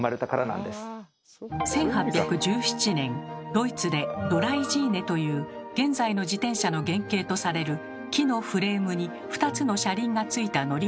１８１７年ドイツで「ドライジーネ」という現在の自転車の原型とされる木のフレームに２つの車輪がついた乗り物がつくられました。